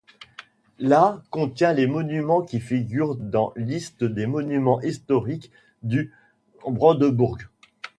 La contient les monuments qui figurent dans liste des monuments historiques du Brandebourg.